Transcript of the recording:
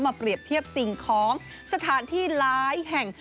เปรียบเทียบสิ่งของสถานที่หลายแห่ง